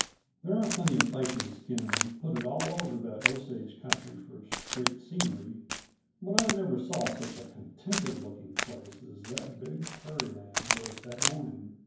There are plenty of places can put it all over that Osage country for straight scenery, but I never saw such a contented looking place as that big prairie land was that morning.